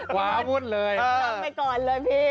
หวาวุดเลยพี่นำไปก่อนเลย